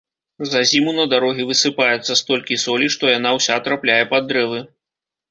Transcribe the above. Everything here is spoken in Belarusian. За зіму на дарогі высыпаецца столькі солі, што яна ўся трапляе пад дрэвы.